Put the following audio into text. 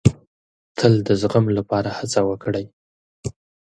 تل د زغم لپاره هڅه وکړئ.